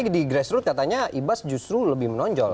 dresrut katanya ibas justru lebih menonjol